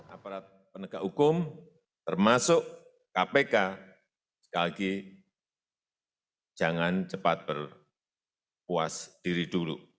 aparat penegak hukum termasuk kpk sekali lagi jangan cepat berpuas diri dulu